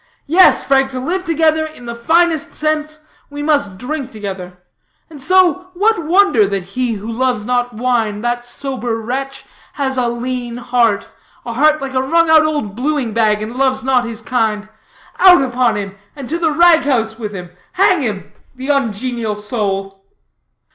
Yes, Frank, to live together in the finest sense, we must drink together. And so, what wonder that he who loves not wine, that sober wretch has a lean heart a heart like a wrung out old bluing bag, and loves not his kind? Out upon him, to the rag house with him, hang him the ungenial soul!"